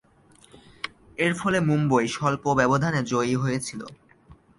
এরফলে মুম্বই স্বল্প ব্যবধানে জয়ী হয়েছিল।